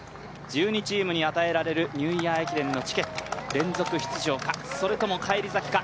１２チームに与えられるニューイヤー駅伝のチケット、連続出場か、それとも返り咲きか。